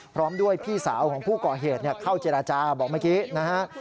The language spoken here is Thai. พร้อมด้วยพี่สาวของผู้ก่อเหตุเข้าเจรจาบอกเมื่อกี้นะฮะ